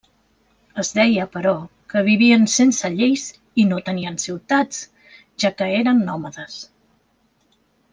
Es deia però que vivien sense lleis i no tenien ciutats, ja que eren nòmades.